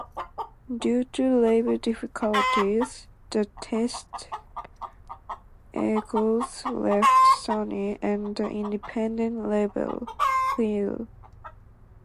Due to label difficulties, the Testeagles left Sony and the independent label, Krell.